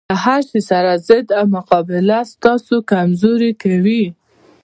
له هرشي سره ضد او مقابله تاسې کمزوري کوي